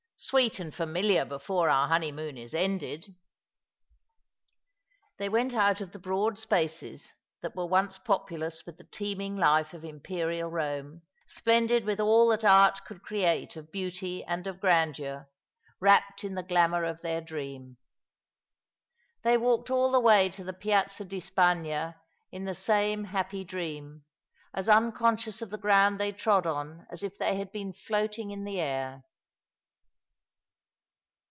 Sweet and familiar before our honeymoon is ended." They went out of the broad spaces that were once popu lous with the teeming life of Imperial Rome, splendid with all that art could create of beauty and of grandeur— wrapt " So, Full Content shall be my Lot,'^ 283 in the glamour of their dream. They walked all the way to the Piazza di Spagna in the same happy dream, as nncon scious of the ground they trod on as if they had been floating in the air.